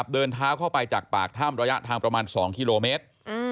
เดินเท้าเข้าไปจากปากถ้ำระยะทางประมาณ๒กิโลเมตร